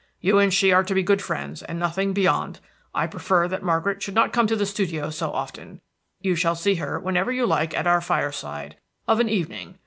You and she are to be good friends, and nothing beyond. I prefer that Margaret should not come to the studio so often; you shall see her whenever you like at our fireside, of an evening.